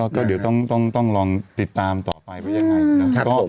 ก็เดี๋ยวต้องต้องต้องลองติดตามต่อไปว่าอย่างไรนะ